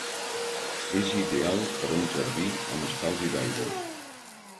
És ideal per a un jardí en estalvi d'aigua.